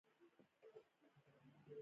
مرسته اخیستلای شي.